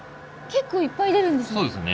結構いっぱい出るんですね。